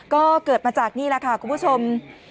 ก็เกิดมาจากนี่แหละค่ะคุณผู้ชม